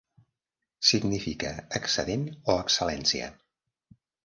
Significa "excedent" o "excel·lència".